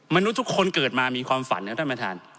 มนุษย์ทุกคนเกิดมามีความฝันนะท่านประธาน